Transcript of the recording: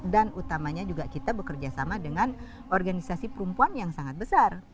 dan utamanya juga kita bekerja sama dengan organisasi perempuan yang sangat besar